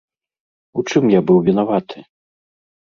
У чым я быў вінаваты?